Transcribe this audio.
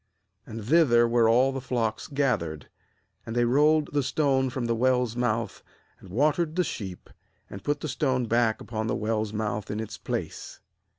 3 And thither were all the flocks gath ered; and they rolled the stone from the well's mouth, and watered the sheep, and put the stone back upon the well's mouth in its place.